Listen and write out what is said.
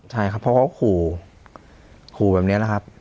ใช่ครับเพราะเขาขู่ขู่แบบนี้นะครับ